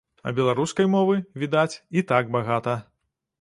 А беларускай мовы, відаць, і так багата.